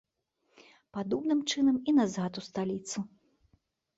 Падобным чынам і назад у сталіцу.